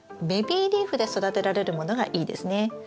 ベビーリーフで育てられるものがいいですね。